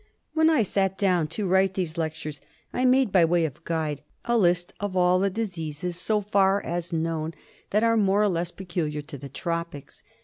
When I sat down to write these lectures I made, by way of guide, a list of all the diseases, so far as known, that are more or less peculiar to the tropics.